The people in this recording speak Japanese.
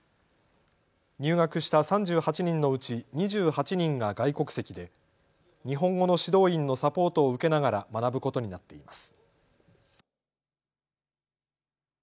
入学した３８人のうち２８人が外国籍で日本語の指導員のサポートを受けながら学ぶことになっています。